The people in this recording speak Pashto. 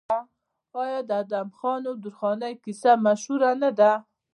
آیا د ادم خان او درخانۍ کیسه مشهوره نه ده؟